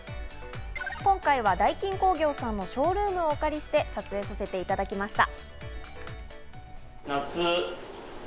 今回はダイキン工業さんのショールームをお借りして撮影させていただきました。